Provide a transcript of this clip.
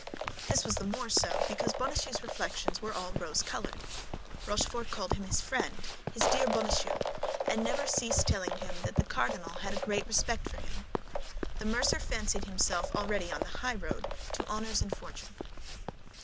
This was the more so because Bonacieux's reflections were all rose colored. Rochefort called him his friend, his dear Bonacieux, and never ceased telling him that the cardinal had a great respect for him. The mercer fancied himself already on the high road to honors and fortune.